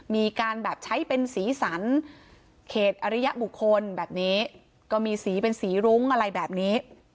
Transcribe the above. มีการแบบใช้เป็นสีสันเขตอริยบุคคลแบบนี้ก็มีสีเป็นสีรุ้งอะไรแบบนี้